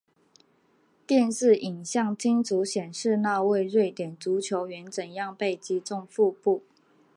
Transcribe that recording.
电视影像清楚显示那位瑞典足球员怎样被击中腹部。